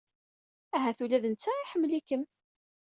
Ahat ula d netta iḥemmel-ikem.